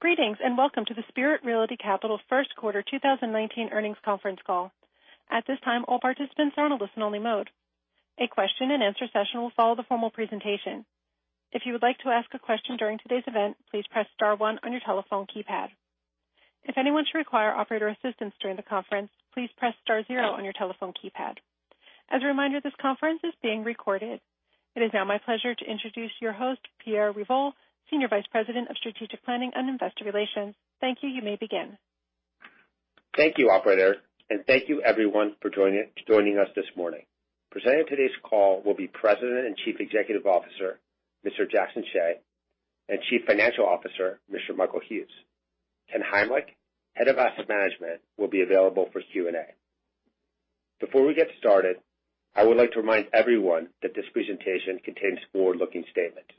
Greetings, welcome to the Spirit Realty Capital first quarter 2019 earnings conference call. At this time, all participants are on a listen-only mode. A question and answer session will follow the formal presentation. If you would like to ask a question during today's event, please press star one on your telephone keypad. If anyone should require operator assistance during the conference, please press star zero on your telephone keypad. As a reminder, this conference is being recorded. It is now my pleasure to introduce your host, Pierre Revol, Senior Vice President of Strategic Planning and Investor Relations. Thank you. You may begin. Thank you, operator. Thank you everyone for joining us this morning. Presenting today's call will be President and Chief Executive Officer, Mr. Jackson Hsieh, and Chief Financial Officer, Mr. Michael Hughes. Ken Heimlich, Head of Asset Management, will be available for Q&A. Before we get started, I would like to remind everyone that this presentation contains forward-looking statements.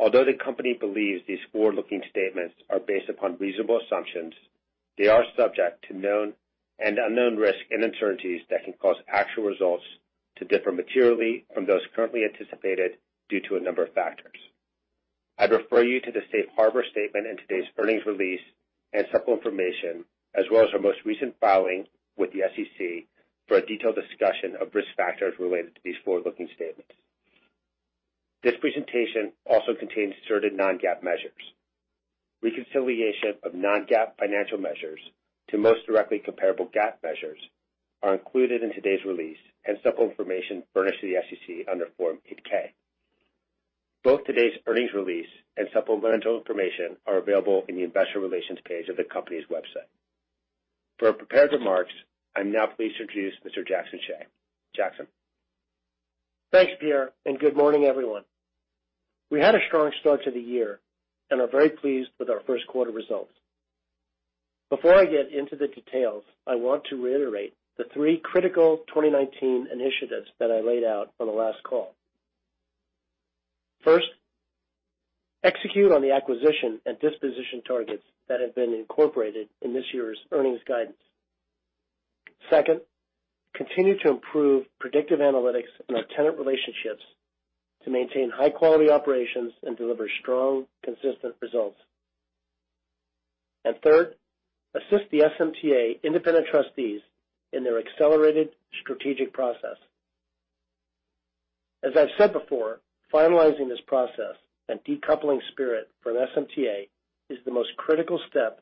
Although the company believes these forward-looking statements are based upon reasonable assumptions, they are subject to known and unknown risks and uncertainties that can cause actual results to differ materially from those currently anticipated due to a number of factors. I'd refer you to the safe harbor statement in today's earnings release and supplemental information, as well as our most recent filing with the SEC for a detailed discussion of risk factors related to these forward-looking statements. This presentation also contains certain non-GAAP measures. Reconciliation of non-GAAP financial measures to most directly comparable GAAP measures are included in today's release and supplemental information furnished to the SEC under Form 8-K. Both today's earnings release and supplemental information are available in the investor relations page of the company's website. For prepared remarks, I'm now pleased to introduce Mr. Jackson Hsieh. Jackson. Thanks, Pierre. Good morning, everyone. We had a strong start to the year and are very pleased with our first quarter results. Before I get into the details, I want to reiterate the three critical 2019 initiatives that I laid out on the last call. First, execute on the acquisition and disposition targets that have been incorporated in this year's earnings guidance. Second, continue to improve predictive analytics in our tenant relationships to maintain high-quality operations and deliver strong, consistent results. Third, assist the SMTA independent trustees in their accelerated strategic process. As I've said before, finalizing this process and decoupling Spirit from SMTA is the most critical step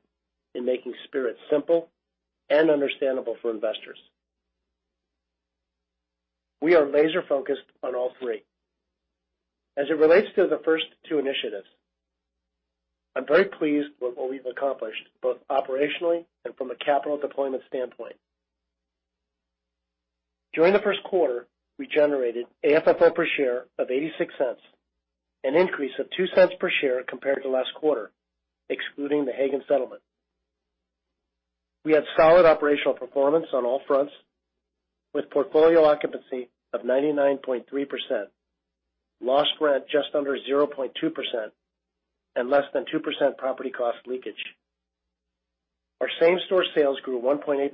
in making Spirit simple and understandable for investors. We are laser-focused on all three. As it relates to the first two initiatives, I'm very pleased with what we've accomplished, both operationally and from a capital deployment standpoint. During the first quarter, we generated AFFO per share of $0.86, an increase of $0.02 per share compared to last quarter, excluding the Haggen settlement. We had solid operational performance on all fronts, with portfolio occupancy of 99.3%, lost rent just under 0.2%, and less than 2% property cost leakage. Our same-store sales grew 1.8%,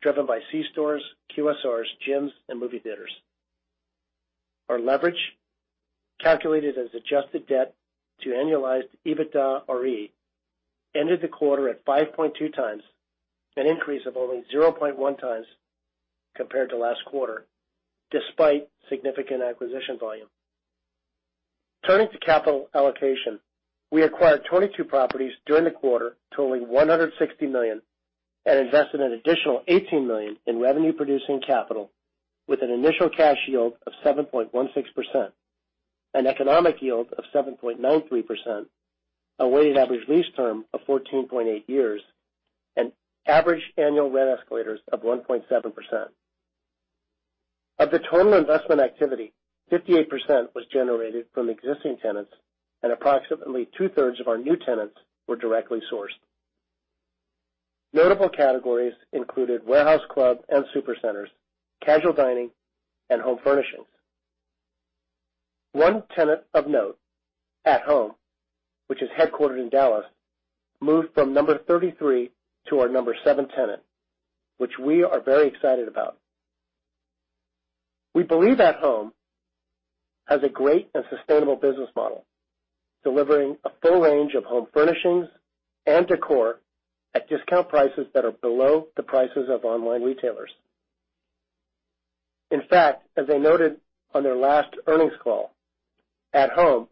driven by C-stores, QSRs, gyms, and movie theaters. Our leverage, calculated as adjusted debt to annualized EBITDARE, ended the quarter at 5.2 times, an increase of only 0.1 times compared to last quarter, despite significant acquisition volume. Turning to capital allocation, we acquired 22 properties during the quarter, totaling $160 million, and invested an additional $18 million in revenue-producing capital with an initial cash yield of 7.16%, an economic yield of 7.93%, a weighted average lease term of 14.8 years, and average annual rent escalators of 1.7%. Of the total investment activity, 58% was generated from existing tenants, and approximately two-thirds of our new tenants were directly sourced. Notable categories included warehouse club and super centers, casual dining, and home furnishings. One tenant of note, At Home, which is headquartered in Dallas, moved from number 33 to our number 7 tenant, which we are very excited about. We believe At Home has a great and sustainable business model, delivering a full range of home furnishings and decor at discount prices that are below the prices of online retailers. In fact, as they noted on their last earnings call, At Home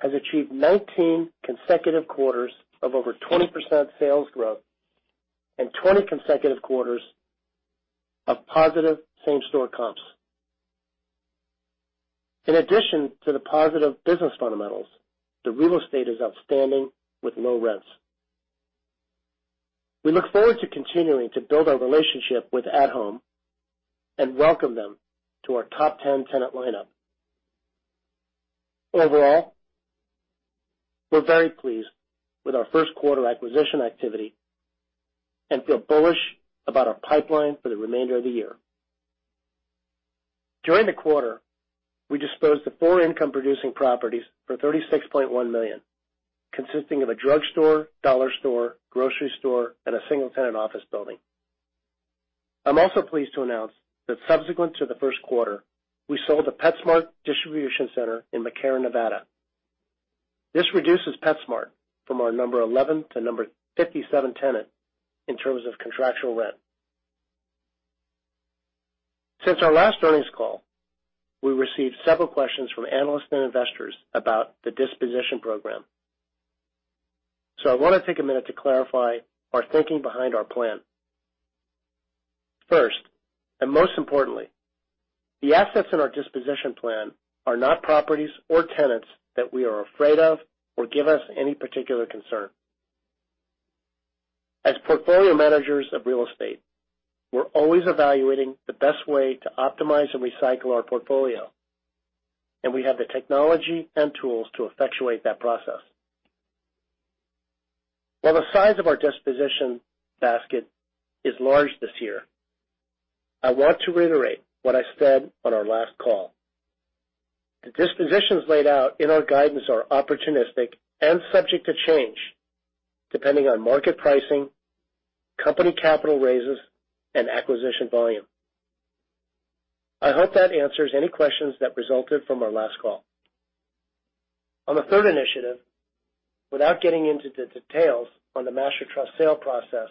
has achieved 19 consecutive quarters of over 20% sales growth and 20 consecutive quarters of positive same-store comps. In addition to the positive business fundamentals, the real estate is outstanding with low rents. We look forward to continuing to build our relationship with At Home and welcome them to our top 10 tenant lineup. Overall, we're very pleased with our first quarter acquisition activity and feel bullish about our pipeline for the remainder of the year. During the quarter, we disposed of four income-producing properties for $36.1 million, consisting of a drugstore, dollar store, grocery store, and a single-tenant office building. I'm also pleased to announce that subsequent to the first quarter, we sold the PetSmart distribution center in McCarran, Nevada. This reduces PetSmart from our number 11 to number 57 tenant in terms of contractual rent. I want to take a minute to clarify our thinking behind our plan. First, and most importantly, the assets in our disposition plan are not properties or tenants that we are afraid of or give us any particular concern. As portfolio managers of real estate, we're always evaluating the best way to optimize and recycle our portfolio, and we have the technology and tools to effectuate that process. While the size of our disposition basket is large this year, I want to reiterate what I said on our last call. The dispositions laid out in our guidance are opportunistic and subject to change depending on market pricing, company capital raises, and acquisition volume. I hope that answers any questions that resulted from our last call. On the third initiative, without getting into the details on the Master Trust sale process,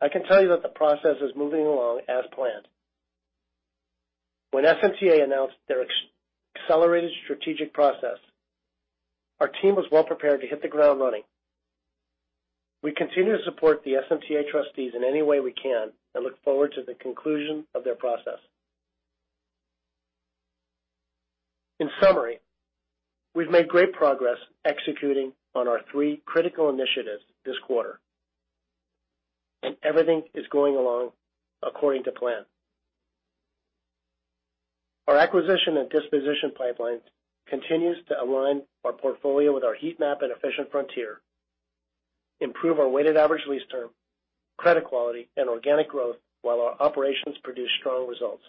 I can tell you that the process is moving along as planned. When SMTA announced their accelerated strategic process, our team was well prepared to hit the ground running. We continue to support the SMTA trustees in any way we can and look forward to the conclusion of their process. In summary, we've made great progress executing on our three critical initiatives this quarter, and everything is going along according to plan. Our acquisition and disposition pipelines continues to align our portfolio with our heat map and efficient frontier, improve our weighted average lease term, credit quality, and organic growth while our operations produce strong results.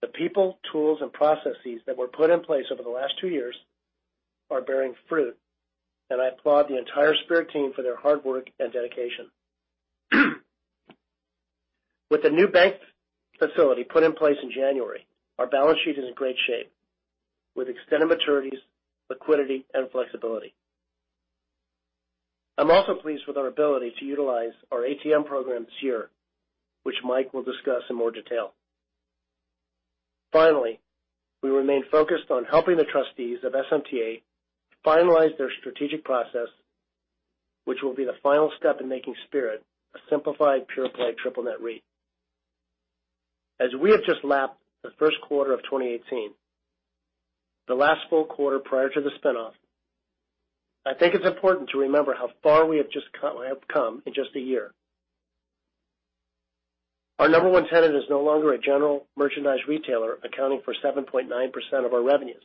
The people, tools, and processes that were put in place over the last two years are bearing fruit, and I applaud the entire Spirit team for their hard work and dedication. With the new bank facility put in place in January, our balance sheet is in great shape with extended maturities, liquidity, and flexibility. I'm also pleased with our ability to utilize our ATM programs here, which Mike will discuss in more detail. Finally, we remain focused on helping the trustees of SMTA finalize their strategic process, which will be the final step in making Spirit a simplified pure-play triple net REIT. As we have just lapped the first quarter of 2018, the last full quarter prior to the spin-off, I think it's important to remember how far we have come in just a year. Our number one tenant is no longer a general merchandise retailer accounting for 7.9% of our revenues.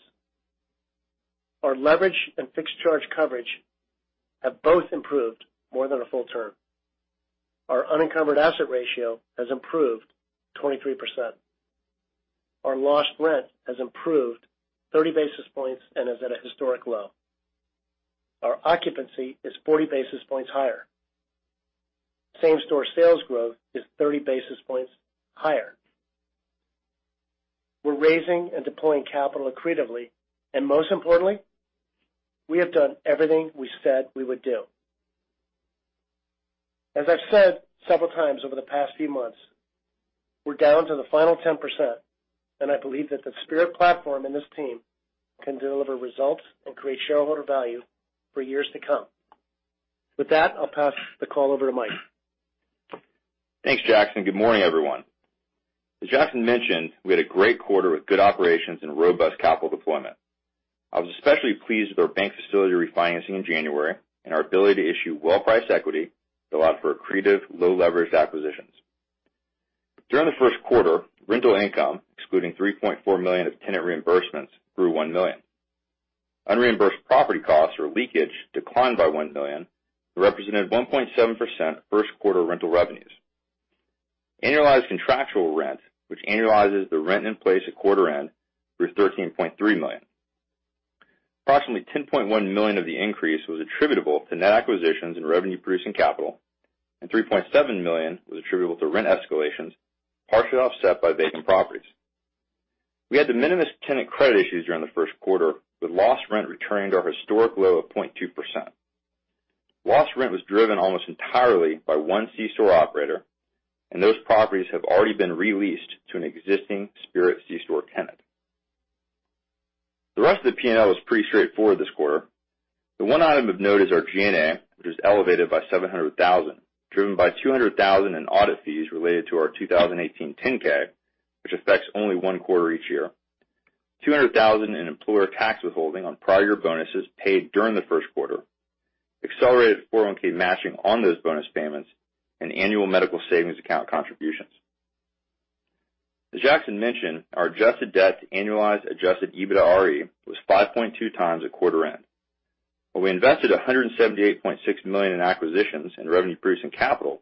Our leverage and fixed charge coverage have both improved more than a full term. Our unencumbered asset ratio has improved 23%. Our lost rent has improved 30 basis points and is at a historic low. Our occupancy is 40 basis points higher. Same-store sales growth is 30 basis points higher. We're raising and deploying capital accretively, and most importantly, we have done everything we said we would do. As I've said several times over the past few months, we're down to the final 10%, and I believe that the Spirit platform and this team can deliver results and create shareholder value for years to come. With that, I'll pass the call over to Mike. Thanks, Jackson. Good morning, everyone. As Jackson mentioned, we had a great quarter with good operations and robust capital deployment. I was especially pleased with our bank facility refinancing in January and our ability to issue well-priced equity that allowed for accretive low-leveraged acquisitions. During the first quarter, rental income, excluding $3.4 million of tenant reimbursements, grew $1 million. Unreimbursed property costs or leakage declined by $1 million and represented 1.7% of first quarter rental revenues. Annualized contractual rent, which annualizes the rent in place at quarter end, grew to $13.3 million. Approximately $10.1 million of the increase was attributable to net acquisitions in revenue-producing capital, and $3.7 million was attributable to rent escalations, partially offset by vacant properties. We had de minimis tenant credit issues during the first quarter, with lost rent returning to our historic low of 0.2%. Lost rent was driven almost entirely by one C-store operator, and those properties have already been re-leased to an existing Spirit C-store tenant. The rest of the P&L is pretty straightforward this quarter. The one item of note is our G&A, which is elevated by $700,000, driven by $200,000 in audit fees related to our 2018 10-K, which affects only one quarter each year. $200,000 in employer tax withholding on prior year bonuses paid during the first quarter, accelerated 401(k) matching on those bonus payments, and annual medical savings account contributions. As Jackson mentioned, our adjusted debt to annualized adjusted EBITDARE was 5.2 times at quarter end. While we invested $178.6 million in acquisitions and revenue-producing capital,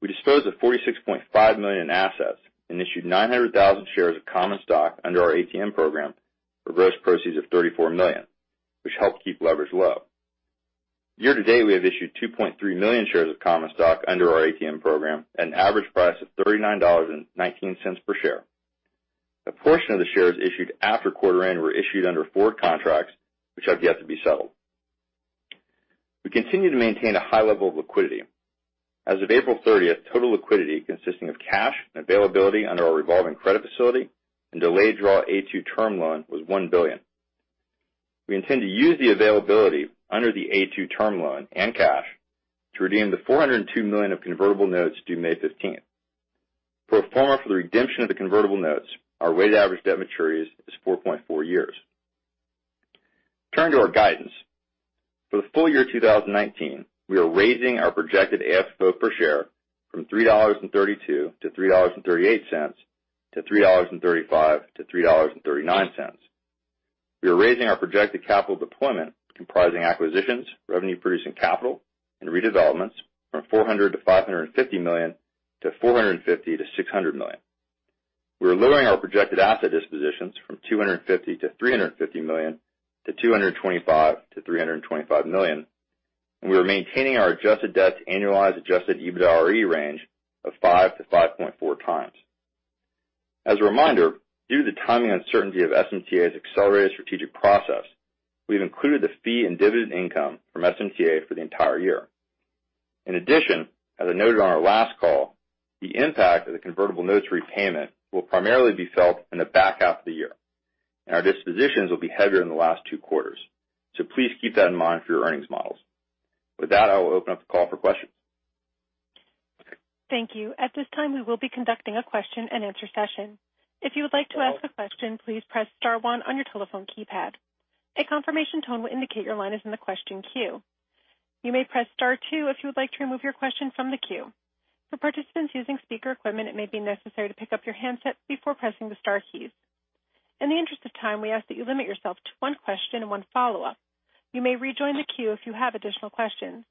we disposed of $46.5 million in assets and issued 900,000 shares of common stock under our ATM program for gross proceeds of $34 million, which helped keep leverage low. Year-to-date, we have issued 2.3 million shares of common stock under our ATM program at an average price of $39.19 per share. A portion of the shares issued after quarter end were issued under forward contracts, which have yet to be settled. We continue to maintain a high level of liquidity. As of April 30th, total liquidity, consisting of cash and availability under our revolving credit facility and delayed draw A-2 term loan, was $1 billion. We intend to use the availability under the A-2 term loan and cash to redeem the $402 million of convertible notes due May 15th. Pro forma for the redemption of the convertible notes, our weighted average debt maturities is 4.4 years. Turning to our guidance. For the full year 2019, we are raising our projected AFFO per share from $3.32-$3.38 to $3.35-$3.39. We are raising our projected capital deployment, comprising acquisitions, revenue-producing capital, and redevelopments from $400 million-$550 million to $450 million-$600 million. We are lowering our projected asset dispositions from $250 million-$350 million to $225 million-$325 million. We are maintaining our adjusted debt to annualized adjusted EBITDARE range of 5-5.4 times. As a reminder, due to the timing uncertainty of SMTA's accelerated strategic process, we've included the fee and dividend income from SMTA for the entire year. As I noted on our last call, the impact of the convertible notes repayment will primarily be felt in the back half of the year, and our dispositions will be heavier in the last two quarters. Please keep that in mind for your earnings models. With that, I will open up the call for questions. Thank you. At this time, we will be conducting a question-and-answer session. If you would like to ask a question, please press star one on your telephone keypad. A confirmation tone will indicate your line is in the question queue. You may press star two if you would like to remove your question from the queue. For participants using speaker equipment, it may be necessary to pick up your handset before pressing the star keys. In the interest of time, we ask that you limit yourself to one question and one follow-up. You may rejoin the queue if you have additional questions.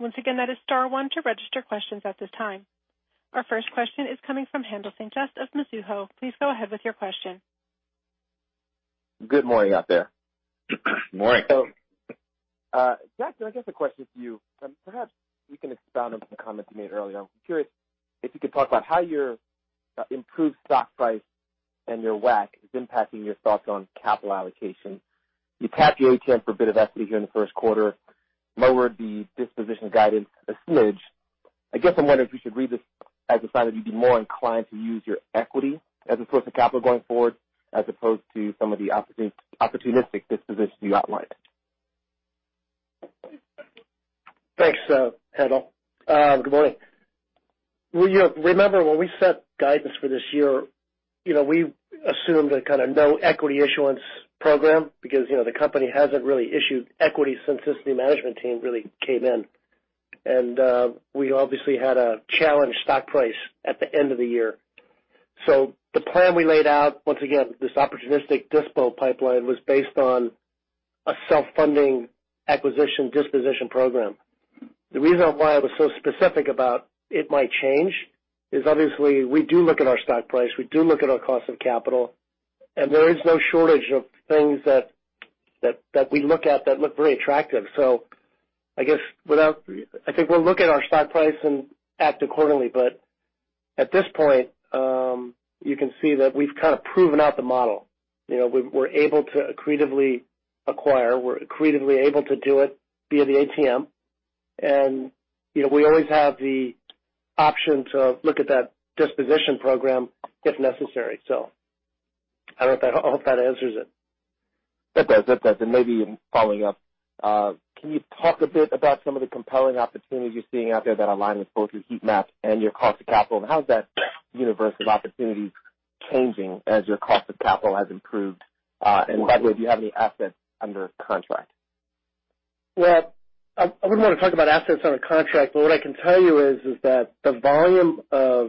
Once again, that is star one to register questions at this time. Our first question is coming from Haendel St. Juste of Mizuho. Please go ahead with your question. Good morning out there. Morning. Jack, I guess a question for you. Perhaps you can expound on some comments you made earlier. I'm curious if you could talk about how your improved stock price and your WACC is impacting your thoughts on capital allocation. You tapped your ATM for a bit of equity here in the first quarter, lowered the disposition guidance a smidge. I guess I'm wondering if we should read this as a sign that you'd be more inclined to use your equity as a source of capital going forward, as opposed to some of the opportunistic dispositions you outlined. Thanks, Haendel. Good morning. Well, you know, remember when we set guidance for this year, you know, we assumed a kind of no equity issuance program because, you know, the company hasn't really issued equity since this new management team really came in. We obviously had a challenged stock price at the end of the year. The plan we laid out, once again, this opportunistic dispo pipeline, was based on a self-funding acquisition disposition program. The reason why I was so specific about it might change is obviously we do look at our stock price, we do look at our cost of capital, and there is no shortage of things that we look at that look very attractive. I guess without I think we'll look at our stock price and act accordingly, but at this point, you can see that we've kind of proven out the model. You know, we're able to accretively acquire, we're accretively able to do it via the ATM, and, you know, we always have the option to look at that disposition program if necessary. I hope that answers it. It does. It does. Maybe even following up, can you talk a bit about some of the compelling opportunities you're seeing out there that align with both your heat map and your cost of capital? How is that universe of opportunities changing as your cost of capital has improved? By the way, do you have any assets under contract? I wouldn't want to talk about assets under contract, but what I can tell you is that the volume of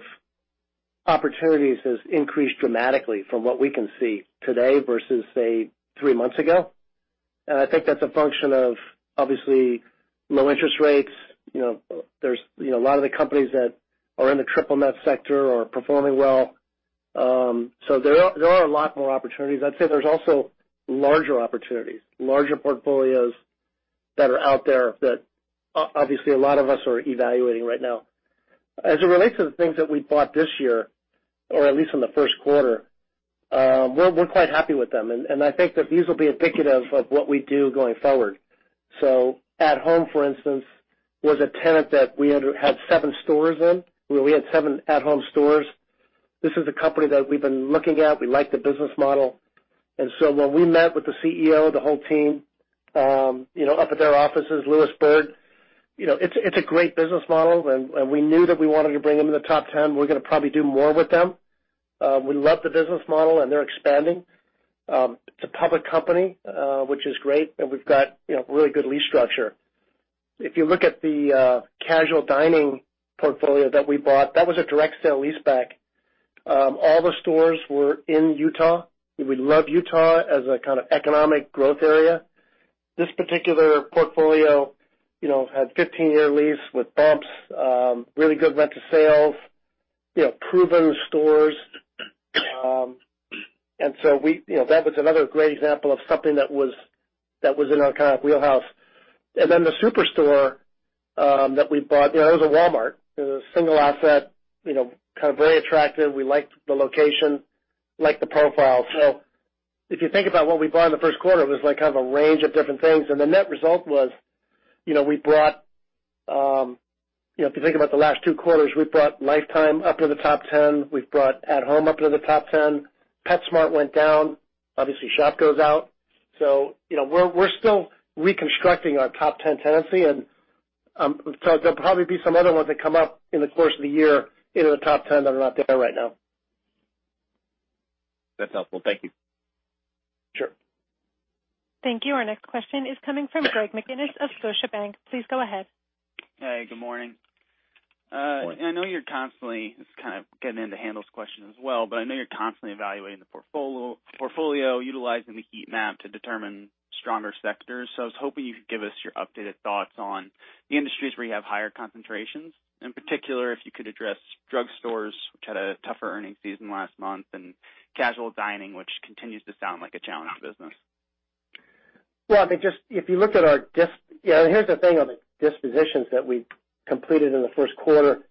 opportunities has increased dramatically from what we can see today versus, say, three months ago. I think that's a function of obviously low interest rates. You know, there's, you know, a lot of the companies that are in the triple net sector are performing well. There are a lot more opportunities. I'd say there's also larger opportunities, larger portfolios that are out there that obviously a lot of us are evaluating right now. As it relates to the things that we bought this year, or at least in the first quarter, we're quite happy with them, and I think that these will be indicative of what we do going forward. At Home, for instance, was a tenant that we had seven stores in, where we had seven At Home stores. This is a company that we've been looking at. We like the business model. When we met with the CEO, the whole team, you know, up at their offices, Lewisville, you know, it's a great business model and we knew that we wanted to bring them in the top 10. We're gonna probably do more with them. We love the business model, and they're expanding. It's a public company, which is great, and we've got, you know, really good lease structure. If you look at the casual dining portfolio that we bought, that was a direct sale-leaseback. All the stores were in Utah. We love Utah as a kind of economic growth area. This particular portfolio, you know, had 15-year lease with bumps, really good rent to sales, you know, proven stores. That was another great example of something that was in our kind of wheelhouse. The superstore that we bought, it was a Walmart. It was a single asset, kind of very attractive. We liked the location, liked the profile. If you think about what we bought in the first quarter, it was kind of a range of different things. The net result was, if you think about the last two quarters, we've brought Life Time up into the top 10. We've brought At Home up into the top 10. PetSmart went down. Obviously, Shopko's out. We're still reconstructing our top 10 tenancy, and so there'll probably be some other ones that come up in the course of the year into the top 10 that are not there right now. That's helpful. Thank you. Sure. Thank you. Our next question is coming from Greg McGinnis of Scotiabank. Please go ahead. Hey, good morning. Morning. I know you're constantly It's kind of getting into Haendel's question as well, but I know you're constantly evaluating the portfolio, utilizing the heat map to determine stronger sectors. I was hoping you could give us your updated thoughts on the industries where you have higher concentrations. In particular, if you could address drugstores, which had a tougher earning season last month, and casual dining, which continues to sound like a challenged business. Here's the thing on the dispositions that we completed in the first quarter.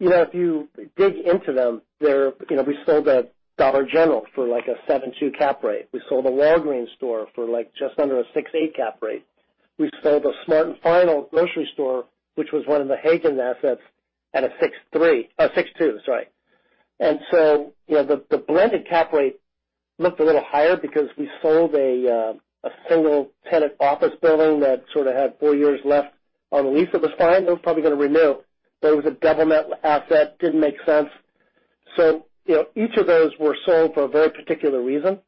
If you dig into them, we sold a Dollar General for a 7.2 cap rate. We sold a Walgreens store for just under a 6.8 cap rate. We sold a Smart & Final grocery store, which was one of the Haggen assets, at a 6.3. 6.2, sorry. The blended cap rate looked a little higher because we sold a single-tenant office building that sort of had four years left on the lease. It was fine, they were probably going to renew, but it was a double-net asset. Didn't make sense. Each of those were sold for a very particular reason.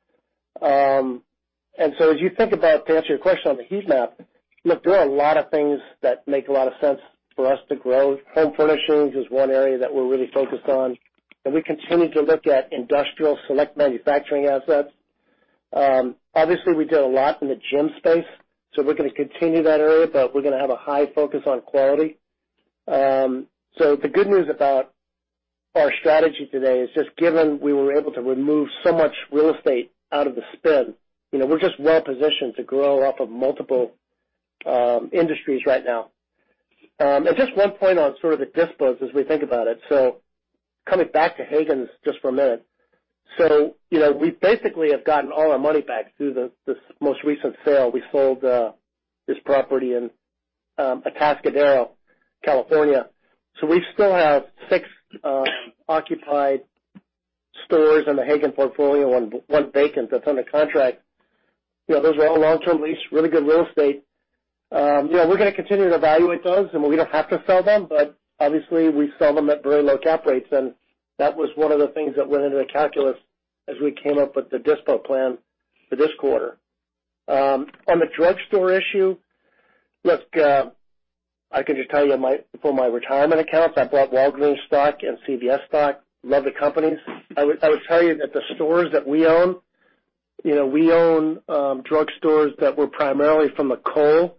As you think about, to answer your question on the heat map, look, there are a lot of things that make a lot of sense for us to grow. Home furnishings is one area that we're really focused on, and we continue to look at industrial select manufacturing assets. Obviously, we did a lot in the gym space, we're going to continue that area, but we're going to have a high focus on quality. The good news about our strategy today is just given we were able to remove so much real estate out of the spin, we're just well positioned to grow off of multiple industries right now. And just one point on sort of the dispos as we think about it, coming back to Haggen just for a minute. We basically have gotten all our money back through this most recent sale. We sold this property in Atascadero, California. We still have six occupied stores in the Haggen portfolio and one vacant that's under contract. Those are all long-term lease, really good real estate. We're going to continue to evaluate those, and we don't have to sell them, but obviously, we sell them at very low cap rates, and that was one of the things that went into the calculus as we came up with the dispo plan for this quarter. On the drugstore issue, look, I can just tell you for my retirement accounts, I bought Walgreens stock and CVS stock. Love the companies. I would tell you that the stores that we own, we own drugstores that were primarily from the Cole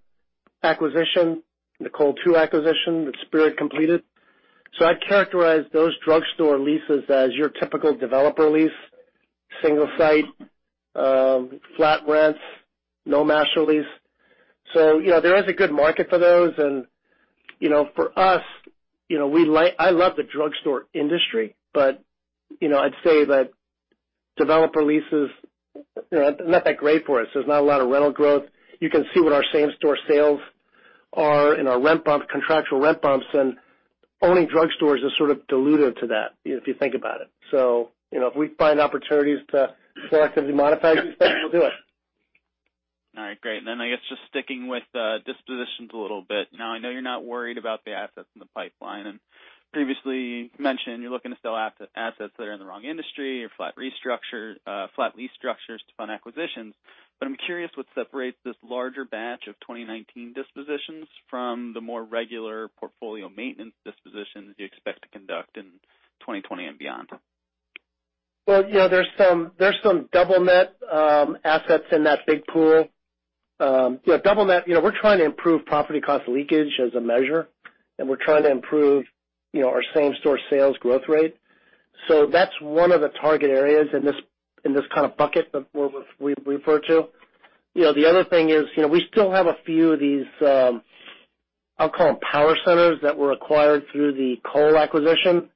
acquisition, the Cole II acquisition that Spirit completed. I'd characterize those drugstore leases as your typical developer lease, single site, flat rents, no master lease. There is a good market for those. For us, I love the drugstore industry, I'd say that developer leases are not that great for us. There's not a lot of rental growth. You can see what our same-store sales are in our contractual rent bumps, and owning drugstores is sort of dilutive to that, if you think about it. If we find opportunities to selectively modify these things, we'll do it. All right, great. I guess just sticking with dispositions a little bit. I know you're not worried about the assets in the pipeline, and previously you mentioned you're looking to sell assets that are in the wrong industry or flat lease structures to fund acquisitions. I'm curious what separates this larger batch of 2019 dispositions from the more regular portfolio maintenance dispositions you expect to conduct in 2020 and beyond. There's some double-net assets in that big pool. We're trying to improve property cost leakage as a measure, and we're trying to improve our same-store sales growth rate. That's one of the target areas in this kind of bucket that we refer to. The other thing is, we still have a few of these, I'll call them power centers, that were acquired through the Cole acquisition,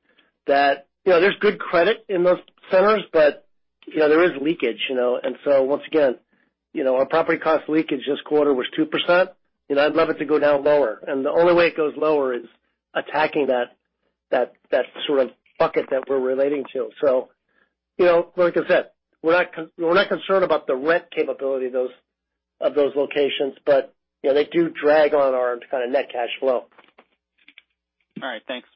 that there's good credit in those centers, but there is leakage. Once again, our property cost leakage this quarter was 2%. I'd love it to go down lower, and the only way it goes lower is attacking that sort of bucket that we're relating to. Like I said, we're not concerned about the rent capability of those locations, but they do drag on our kind of net cash flow. All right. Thanks.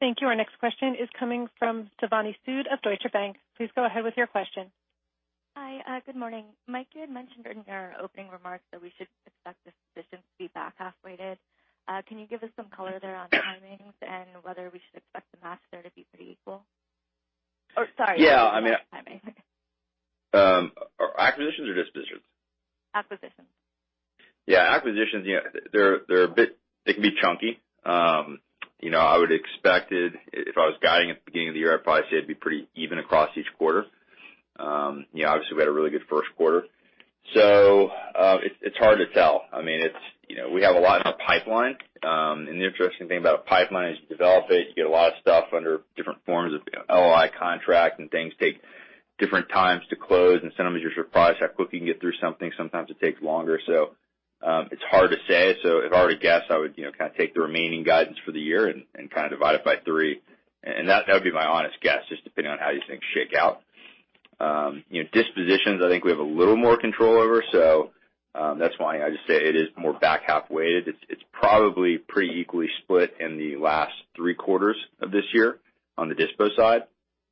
Thank you. Our next question is coming from Tayo Okusanya of Deutsche Bank. Please go ahead with your question. Hi. Good morning. Mike, you had mentioned in your opening remarks that we should expect dispositions to be back half weighted. Can you give us some color there on timings and whether we should expect the master to be pretty equal? Oh, sorry. Yeah. Acquisitions or dispositions? Acquisitions. Yeah. Acquisitions, they can be chunky. I would expect it, if I was guiding at the beginning of the year, I'd probably say it'd be pretty even across each quarter. Obviously, we had a really good first quarter. It's hard to tell. We have a lot in our pipeline. The interesting thing about a pipeline is you develop it, you get a lot of stuff under different forms of LOI contract, and things take different times to close. Sometimes you're surprised how quickly you can get through something. Sometimes it takes longer. It's hard to say. If I were to guess, I would kind of take the remaining guidance for the year and kind of divide it by three. That would be my honest guess, just depending on how these things shake out. Dispositions, I think we have a little more control over, that's why I just say it is more back-half weighted. It's probably pretty equally split in the last three quarters of this year on the dispo side.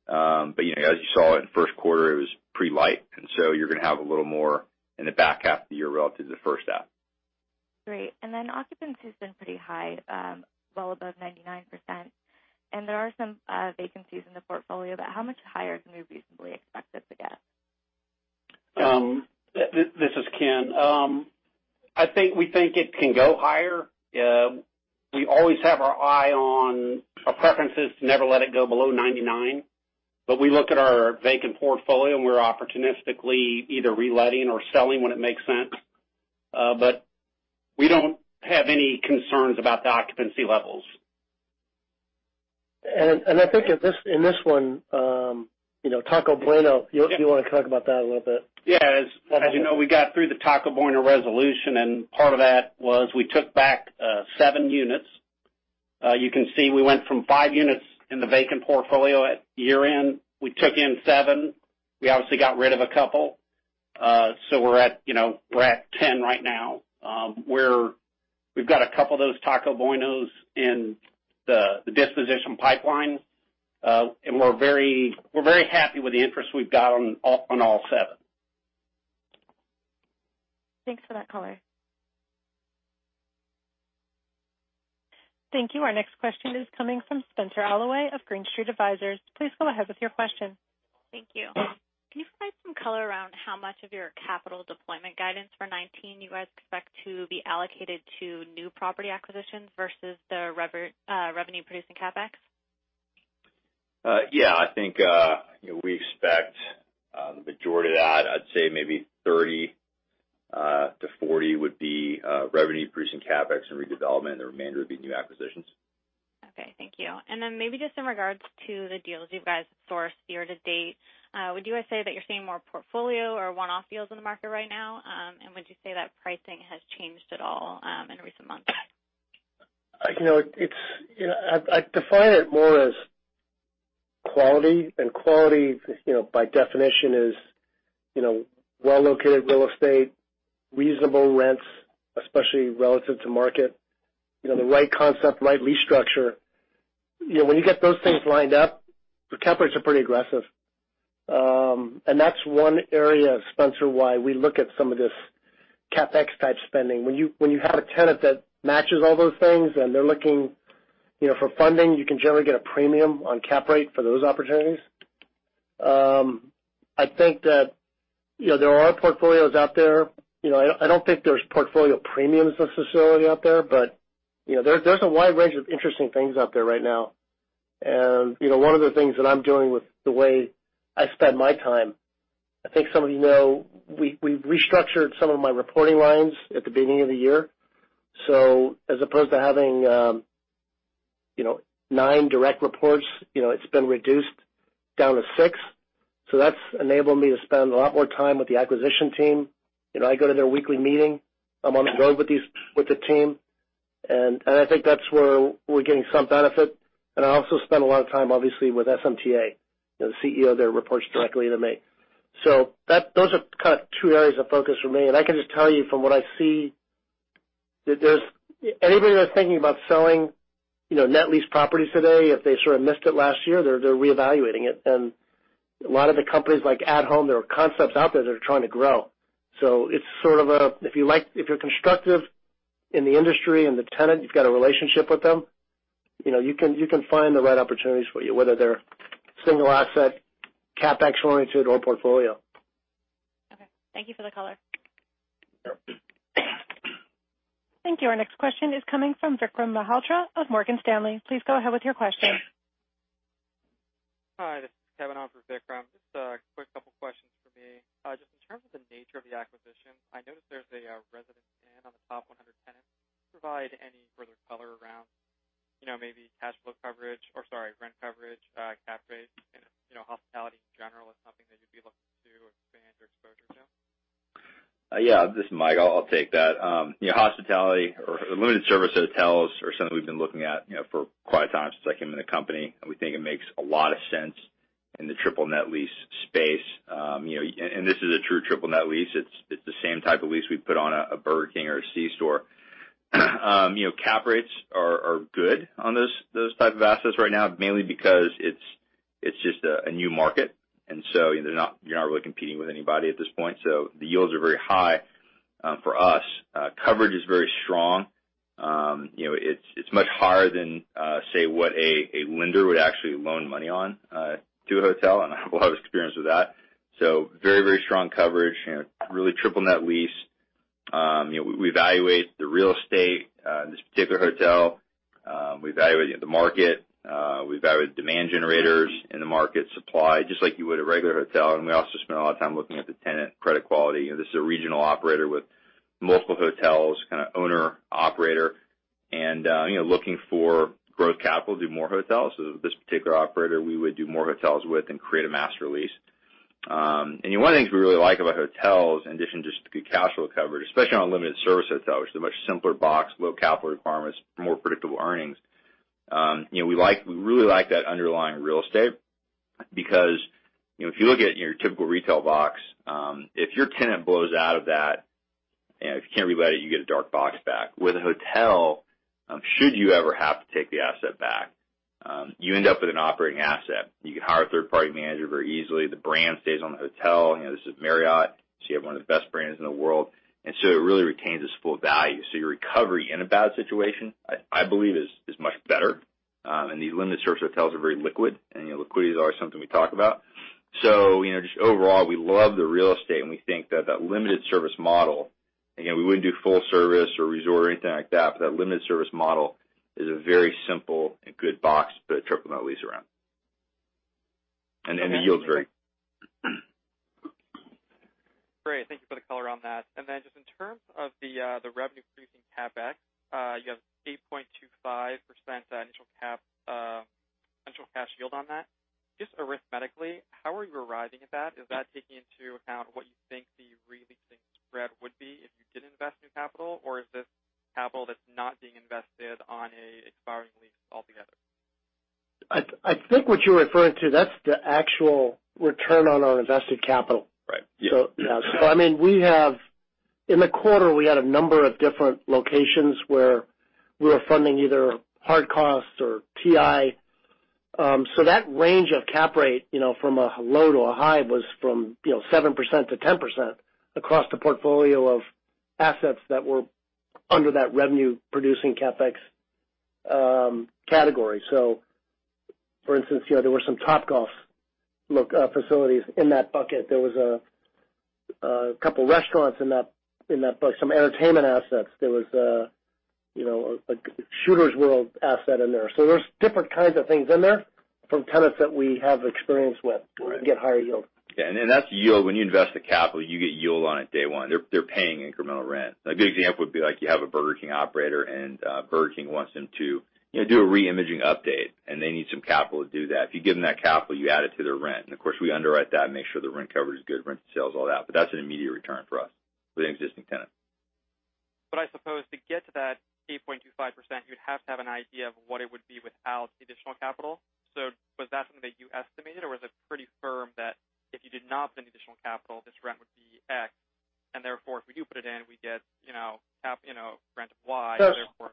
As you saw in the first quarter, it was pretty light, you're going to have a little more in the back half of the year relative to the first half. Great. Occupancy's been pretty high, well above 99%. There are some vacancies in the portfolio, how much higher can we reasonably expect it to get? This is Ken. I think we think it can go higher. We always have our eye on our preferences to never let it go below 99, we look at our vacant portfolio, and we're opportunistically either reletting or selling when it makes sense. We don't have any concerns about the occupancy levels. I think in this one, Taco Bueno, do you want to talk about that a little bit? Yeah. As you know, we got through the Taco Bueno resolution. Part of that was we took back 7 units. You can see we went from five units in the vacant portfolio at year-end. We took in 7. We obviously got rid of a couple. We're at 10 right now, where we've got a couple of those Taco Buenos in the disposition pipeline. We're very happy with the interest we've got on all 7. Thanks for that color. Thank you. Our next question is coming from Spenser Allaway of Green Street Advisors. Please go ahead with your question. Thank you. Can you provide some color around how much of your capital deployment guidance for 2019 you guys expect to be allocated to new property acquisitions versus the revenue-producing CapEx? Yeah, I think we expect the majority of that. I'd say maybe 30 to 40 would be revenue-producing CapEx and redevelopment. The remainder would be new acquisitions. Okay, thank you. Then maybe just in regards to the deals you guys have sourced year to date, would you guys say that you're seeing more portfolio or one-off deals in the market right now? Would you say that pricing has changed at all in recent months? I define it more as quality, by definition, is well-located real estate, reasonable rents, especially relative to market. The right concept, right lease structure. When you get those things lined up, the cap rates are pretty aggressive. That's one area, Spenser, why we look at some of this CapEx-type spending. When you have a tenant that matches all those things and they're looking for funding, you can generally get a premium on cap rate for those opportunities. I think that there are portfolios out there. I don't think there's portfolio premiums necessarily out there, but there's a wide range of interesting things out there right now. One of the things that I'm doing with the way I spend my time, I think some of you know, we restructured some of my reporting lines at the beginning of the year. As opposed to having nine direct reports, it's been reduced down to six. That's enabled me to spend a lot more time with the acquisition team. I go to their weekly meeting. I'm on the road with the team, and I think that's where we're getting some benefit. I also spend a lot of time, obviously, with SMTA. The CEO there reports directly to me. Those are kind of two areas of focus for me. I can just tell you from what I see, anybody that's thinking about selling net lease properties today, if they sort of missed it last year, they're reevaluating it. A lot of the companies like At Home, there are concepts out there that are trying to grow. If you're constructive in the industry and the tenant, you've got a relationship with them, you can find the right opportunities for you, whether they're single asset, CapEx-oriented, or a portfolio. Okay. Thank you for the color. Thank you. Our next question is coming from Vikram Malhotra of Morgan Stanley. Please go ahead with your question. Hi, this is Kevin on for Vikram. Just a quick couple of questions for me. Just in terms of the nature of the acquisition, I noticed there's a Residence Inn on the top 100 tenants. Can you provide any further color around maybe cash flow coverage or, sorry, rent coverage, cap rates, and hospitality in general is something that you'd be looking to expand your exposure to? Yeah. This is Mike. I'll take that. Hospitality or limited service hotels are something we've been looking at for quite a time since I came in the company, and we think it makes a lot of sense in the triple net lease space. This is a true triple net lease. It's the same type of lease we put on a Burger King or a C-store. Cap rates are good on those type of assets right now, mainly because it's just a new market. The yields are very high for us. Coverage is very strong. It's much higher than, say, what a lender would actually loan money on to a hotel, and I have a lot of experience with that. Very strong coverage, really triple net lease. We evaluate the real estate in this particular hotel. We evaluate the market. We evaluate the demand generators in the market supply, just like you would a regular hotel. We also spend a lot of time looking at the tenant credit quality. This is a regional operator with multiple hotels, kind of owner/operator, looking for growth capital to do more hotels. This particular operator, we would do more hotels with and create a master lease. One of the things we really like about hotels, in addition to just good cash flow coverage, especially on limited service hotels, they're much simpler box, low capital requirements, more predictable earnings. We really like that underlying real estate because, if you look at your typical retail box, if your tenant blows out of that, if you can't relet it, you get a dark box back. With a hotel, should you ever have to take the asset back, you end up with an operating asset. You can hire a third-party manager very easily. The brand stays on the hotel. This is Marriott, you have one of the best brands in the world, and it really retains its full value. Your recovery in a bad situation, I believe, is much better. These limited service hotels are very liquid, and liquidity is always something we talk about. Just overall, we love the real estate, and we think that that limited service model, again, we wouldn't do full service or resort or anything like that, but that limited service model is a very simple and good box to put triple net lease around. The yield's great. Great. Thank you for the color on that. Just in terms of the revenue-producing CapEx, you have 8.25% initial cash yield on that. Just arithmetically, how are you arriving at that? Is that taking into account what you think the re-leasing spread would be if you did invest new capital, or is this capital that's not being invested on an expiring lease altogether? I think what you're referring to, that's the actual return on our invested capital. Right. Yeah. In the quarter, we had a number of different locations where we were funding either hard costs or TI. That range of cap rate, from a low to a high, was from 7%-10% across the portfolio of assets that were under that revenue-producing CapEx category. For instance, there were some Topgolf facilities in that bucket. There was a couple of restaurants in that bucket, some entertainment assets. There was a Shooter's World asset in there. There's different kinds of things in there from tenants that we have experience with Right to get higher yield. Yeah. That's yield. When you invest the capital, you get yield on it day one. They're paying incremental rent. A good example would be like you have a Burger King operator, and Burger King wants them to do a re-imaging update, and they need some capital to do that. If you give them that capital, you add it to their rent. Of course, we underwrite that and make sure the rent coverage is good, rent to sales, all that, but that's an immediate return for us with an existing tenant. I suppose to get to that 8.25%, you'd have to have an idea of what it would be without the additional capital. Was that something that you estimated, or was it pretty firm that if you did not put in additional capital, this rent would be X, and therefore, if we do put it in, we get rent Y, and therefore?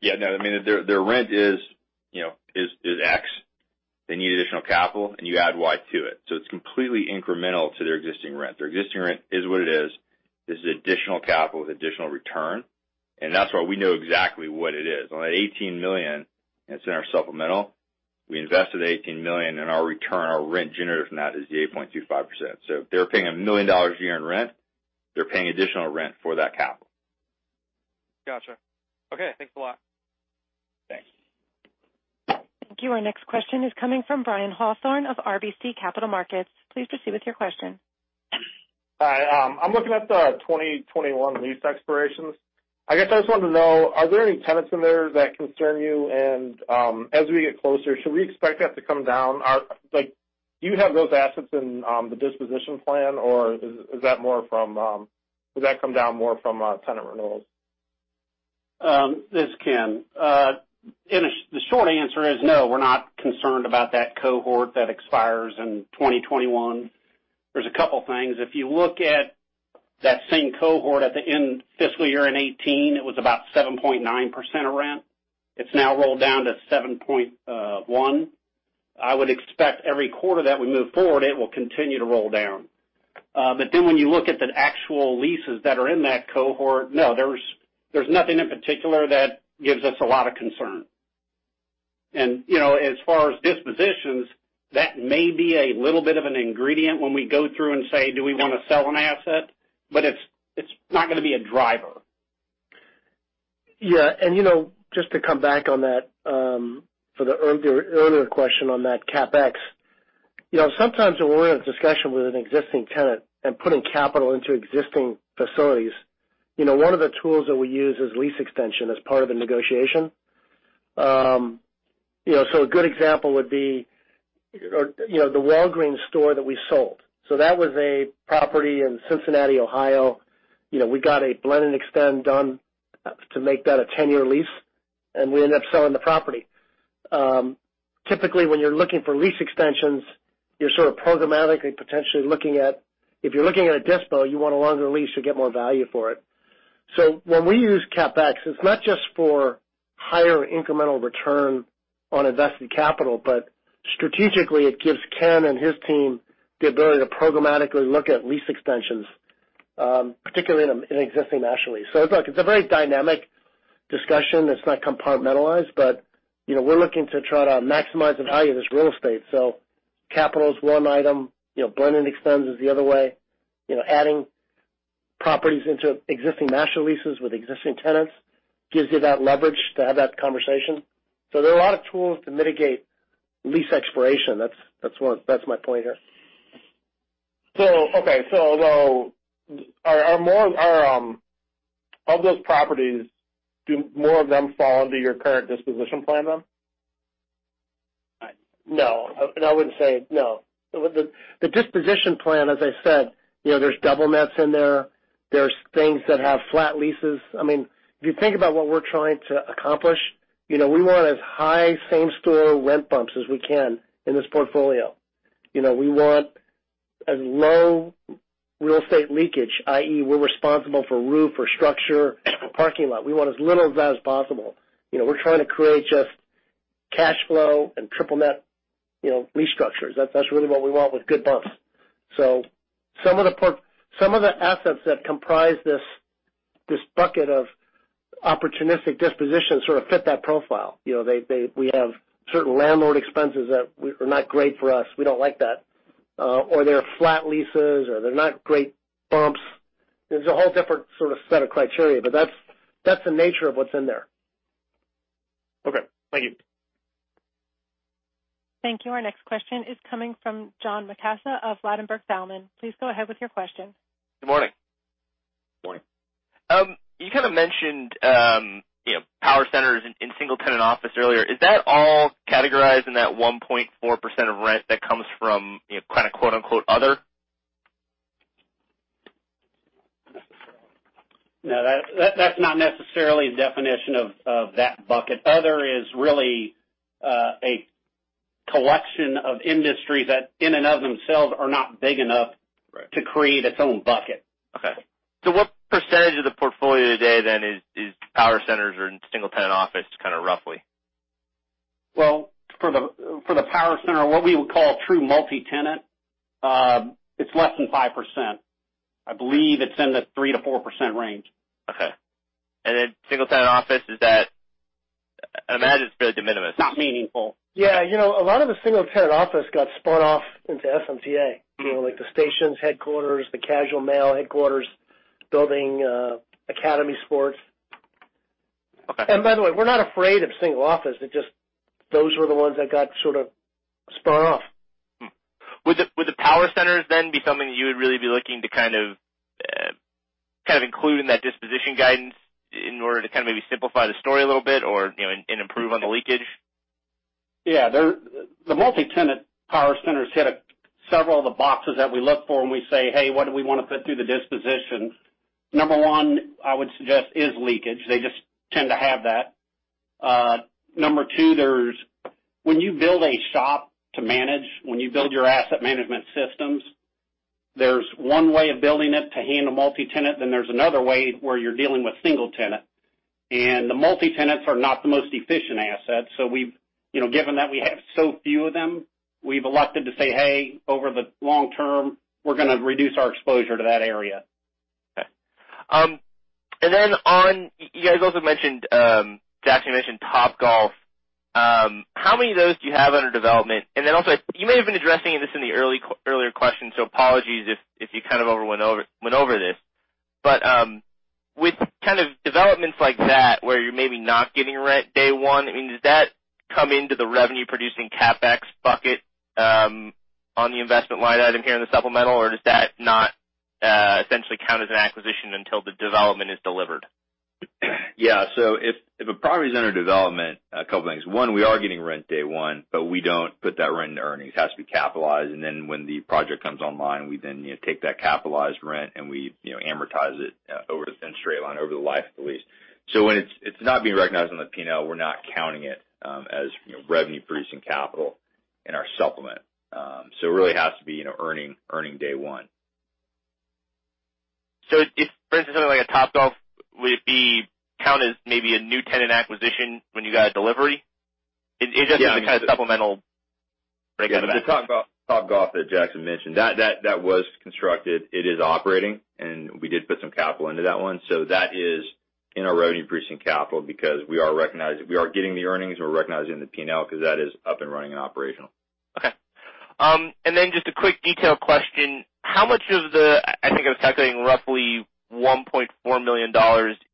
Yeah, no, their rent is X. They need additional capital, and you add Y to it. It's completely incremental to their existing rent. Their existing rent is what it is. This is additional capital with additional return, and that's why we know exactly what it is. On that $18 million, and it's in our supplemental, we invested $18 million, and our return, our rent generated from that is the 8.25%. If they're paying $1 million a year in rent, they're paying additional rent for that capital. Got you. Okay. Thanks a lot. Thanks. Thank you. Our next question is coming from Brian Hawthorne of RBC Capital Markets. Please proceed with your question. Hi. I'm looking at the 2021 lease expirations. I guess I just wanted to know, are there any tenants in there that concern you? As we get closer, should we expect that to come down? Do you have those assets in the disposition plan, or does that come down more from tenant renewals? This is Ken. The short answer is no, we're not concerned about that cohort that expires in 2021. There's a couple things. If you look at that same cohort at the end of fiscal year in 2018, it was about 7.9% of rent. It's now rolled down to 7.1%. I would expect every quarter that we move forward, it will continue to roll down. When you look at the actual leases that are in that cohort, no, there's nothing in particular that gives us a lot of concern. As far as dispositions, that may be a little bit of an ingredient when we go through and say, do we want to sell an asset? It's not going to be a driver. Just to come back on that, for the earlier question on that CapEx. Sometimes when we're in a discussion with an existing tenant and putting capital into existing facilities, one of the tools that we use is lease extension as part of the negotiation. A good example would be the Walgreens store that we sold. That was a property in Cincinnati, Ohio. We got a blend and extend done to make that a 10-year lease, and we ended up selling the property. Typically, when you're looking for lease extensions, you're sort of programmatically potentially looking at. If you're looking at a dispo, you want a longer lease to get more value for it. When we use CapEx, it's not just for higher incremental return on invested capital. Strategically, it gives Ken and his team the ability to programmatically look at lease extensions, particularly in existing national leases. It's a very dynamic discussion. It's not compartmentalized, but we're looking to try to maximize the value of this real estate. Capital is one item, blend and extend is the other way. Adding properties into existing national leases with existing tenants gives you that leverage to have that conversation. There are a lot of tools to mitigate lease expiration. That's my point here. Okay. Of those properties, do more of them fall under your current disposition plan then? No. I wouldn't say. No. The disposition plan, as I said, there's double-nets in there. There's things that have flat leases. If you think about what we're trying to accomplish, we want as high same-store rent bumps as we can in this portfolio. We want as low real estate leakage, i.e., we're responsible for roof or structure, parking lot. We want as little of that as possible. We're trying to create just cash flow and triple-net lease structures. That's really what we want with good bumps. Some of the assets that comprise this bucket of opportunistic dispositions sort of fit that profile. We have certain landlord expenses that are not great for us. We don't like that. They're flat leases, or they're not great bumps. There's a whole different set of criteria, but that's the nature of what's in there. Okay. Thank you. Thank you. Our next question is coming from John Massocca of Ladenburg Thalmann. Please go ahead with your question. Good morning. Morning. You kind of mentioned power centers in single-tenant office earlier. Is that all categorized in that 1.4% of rent that comes from kind of quote, unquote, "other? No. That's not necessarily the definition of that bucket. Other is really a collection of industries that in and of themselves are not big enough- Right to create its own bucket. Okay. What percentage of the portfolio today then is power centers or in single-tenant office, kind of roughly? Well, for the power center, what we would call true multi-tenant, it's less than 5%. I believe it's in the 3%-4% range. Okay. single-tenant office, I imagine it's fairly de minimis. Not meaningful. Yeah. A lot of the single-tenant office got spun off into SMTA. Like the Stanton's headquarters, the Casual Male headquarters building, Academy Sports. Okay. By the way, we're not afraid of single office. It's just those were the ones that got sort of spun off. Would the power centers then be something that you would really be looking to kind of include in that disposition guidance in order to maybe simplify the story a little bit or improve on the leakage? Yeah. The multi-tenant power centers hit several of the boxes that we look for when we say, "Hey, what do we want to put through the disposition?" Number one, I would suggest, is leakage. They just tend to have that. Number two, when you build a shop to manage, when you build your asset management systems, there's one way of building it to handle multi-tenant, then there's another way where you're dealing with single tenant. The multi-tenants are not the most efficient assets, so given that we have so few of them, we've elected to say, "Hey, over the long term, we're going to reduce our exposure to that area. Okay. Then you guys also mentioned, Jackson mentioned Topgolf. How many of those do you have under development? Then also, you may have been addressing this in the earlier question, so apologies if you kind of went over this. With kind of developments like that, where you're maybe not getting rent day one, does that come into the revenue-producing CapEx bucket on the investment line item here in the supplemental, or does that not essentially count as an acquisition until the development is delivered? Yeah. If a property is under development, a couple of things. One, we are getting rent day one, but we don't put that rent into earnings. It has to be capitalized, and then when the project comes online, we then take that capitalized rent, and we amortize it over the straight line, over the life of the lease. When it's not being recognized on the P&L, we're not counting it as revenue-producing capital in our supplement. It really has to be earning day one. If, for instance, something like a Topgolf, would it be counted as maybe a new tenant acquisition when you got a delivery? It doesn't seem- Yeah the kind of supplemental breakout of that. The Topgolf that Jackson mentioned, that was constructed. It is operating, and we did put some capital into that one. That is in our revenue-producing capital because we are getting the earnings, and we're recognizing the P&L because that is up and running and operational. Okay. Just a quick detail question. How much of the, I think I was calculating roughly $1.4 million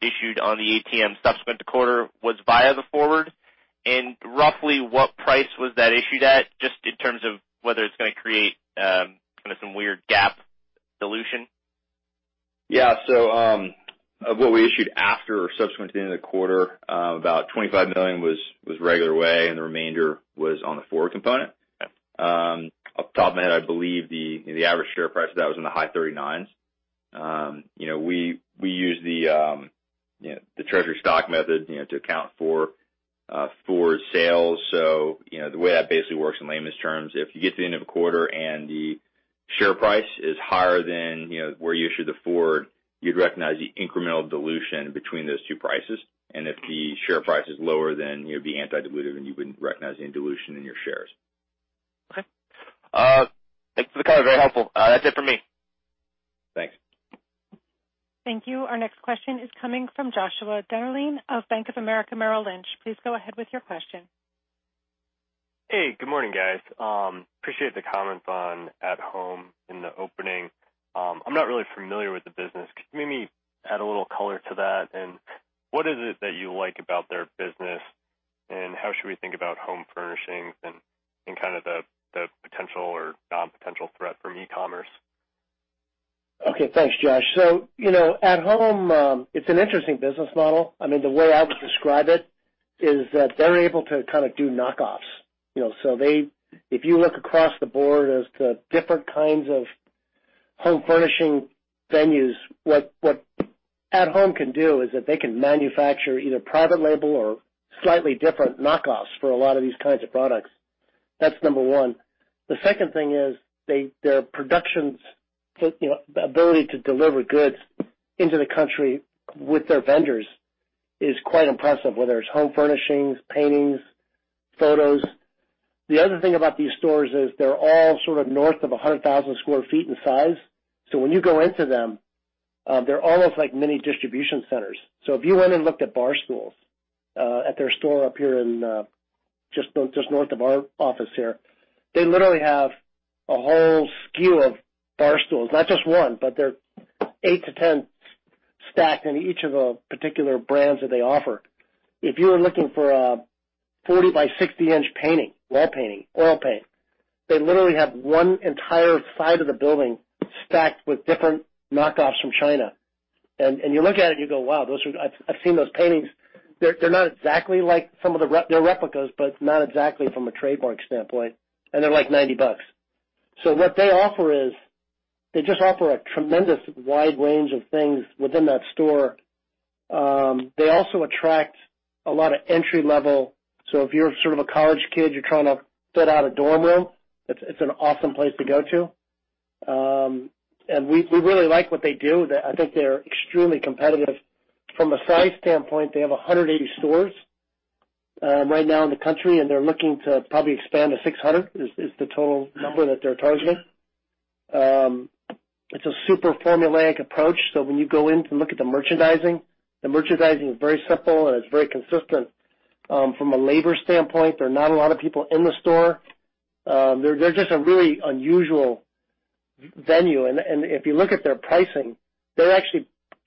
issued on the ATM subsequent to quarter, was via the forward? Roughly what price was that issued at, just in terms of whether it's going to create kind of some weird GAAP dilution? Yeah. Of what we issued after or subsequent to the end of the quarter, about $25 million was regular way, and the remainder was on the forward component. Okay. Off the top of my head, I believe the average share price of that was in the high thirty-nines. We use the Treasury stock method to account for forward sales. The way that basically works in layman's terms, if you get to the end of a quarter and the share price is higher than where you issued the forward, you'd recognize the incremental dilution between those two prices. If the share price is lower than you'd be anti-dilutive, then you wouldn't recognize any dilution in your shares. Okay. Thanks for the color. Very helpful. That's it for me. Thanks. Thank you. Our next question is coming from Joshua Dennerlein of Bank of America Merrill Lynch. Please go ahead with your question. Hey, good morning, guys. Appreciate the comments on At Home in the opening. I am not really familiar with the business. Could you maybe add a little color to that, and what is it that you like about their business, and how should we think about home furnishings and kind of the potential or non-potential threat from e-commerce? Okay. Thanks, Josh. At Home, it is an interesting business model. The way I would describe it is that they are able to kind of do knockoffs. If you look across the board as to different kinds of home furnishing venues, what At Home can do is that they can manufacture either private label or slightly different knockoffs for a lot of these kinds of products. That is number one. The second thing is their productions, the ability to deliver goods into the country with their vendors is quite impressive, whether it is home furnishings, paintings, photos. The other thing about these stores is they are all sort of north of 100,000 sq ft in size. When you go into them, they are almost like mini distribution centers. If you went and looked at bar stools at their store up here just north of our office here, they literally have a whole SKU of bar stools, not just one, but they are eight to 10 stacked in each of the particular brands that they offer. If you are looking for a 40 by 60 inch painting, wall painting, oil paint, they literally have one entire side of the building stacked with different knockoffs from China. You look at it and you go, "Wow, I have seen those paintings." They are replicas, but not exactly from a trademark standpoint, and they are like $90. What they offer is they just offer a tremendous wide range of things within that store. They also attract a lot of entry level. If you're sort of a college kid, you're trying to fit out a dorm room, it's an awesome place to go to. We really like what they do. I think they're extremely competitive. From a size standpoint, they have 180 stores right now in the country, and they're looking to probably expand to 600, is the total number that they're targeting. It's a super formulaic approach, so when you go in to look at the merchandising, the merchandising is very simple and it's very consistent. From a labor standpoint, there are not a lot of people in the store. They're just a really unusual venue, and if you look at their pricing, they're actually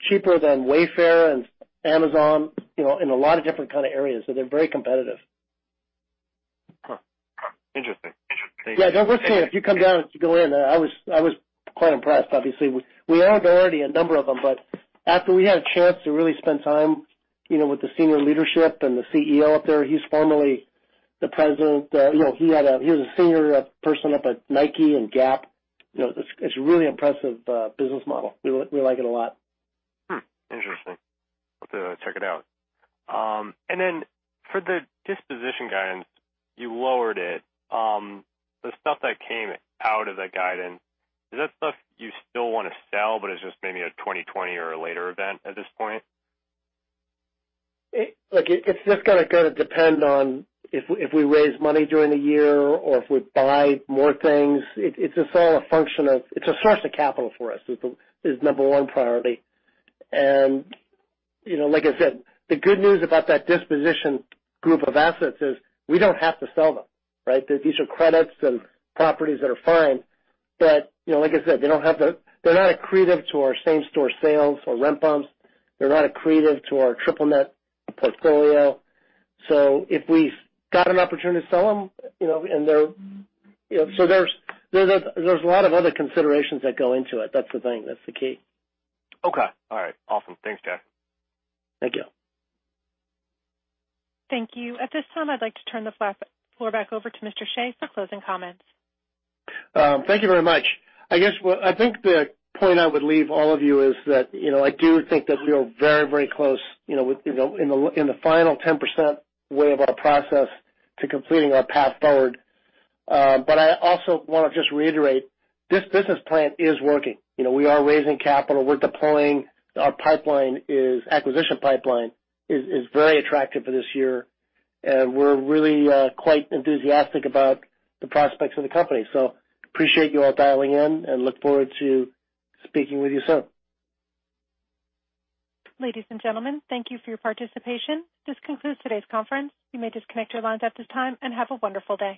cheaper than Wayfair and Amazon in a lot of different kind of areas. They're very competitive. Huh. Interesting. Thank you. Yeah. They're worth seeing. If you come down, go in. I was quite impressed, obviously. We owned already a number of them, after we had a chance to really spend time with the senior leadership and the CEO up there, he's formerly the president. He was a senior person up at Nike and Gap. It's a really impressive business model. We like it a lot. Hmm. Interesting. We'll have to check it out. For the disposition guidance, you lowered it. The stuff that came out of the guidance, is that stuff you still want to sell, but it's just maybe a 2020 or a later event at this point? Look, it's just going to depend on if we raise money during the year or if we buy more things. It's a source of capital for us, is number one priority. Like I said, the good news about that disposition group of assets is we don't have to sell them, right? These are credits and properties that are fine. Like I said, they're not accretive to our same-store sales or rent bumps. They're not accretive to our triple net portfolio. If we've got an opportunity to sell them, there's a lot of other considerations that go into it. That's the thing. That's the key. Okay. All right. Awesome. Thanks, guys. Thank you. Thank you. At this time, I'd like to turn the floor back over to Mr. Hsieh for closing comments. Thank you very much. I think the point I would leave all of you is that I do think that we are very close in the final 10% way of our process to completing our path forward. I also want to just reiterate, this business plan is working. We are raising capital. Our acquisition pipeline is very attractive for this year, and we're really quite enthusiastic about the prospects of the company. Appreciate you all dialing in and look forward to speaking with you soon. Ladies and gentlemen, thank you for your participation. This concludes today's conference. You may disconnect your lines at this time, have a wonderful day.